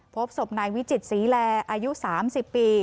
พบศพนายวิจิตศรีแลอายุ๓๐ปี